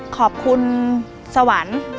ขอบคุณสวรรค์